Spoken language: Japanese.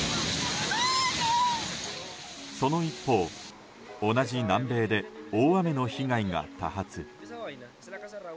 その一方、同じ南米で大雨の被害が多発。